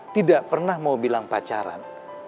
tidak pernah mau bilang pacaran